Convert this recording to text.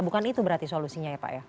bukan itu berarti solusinya ya pak ya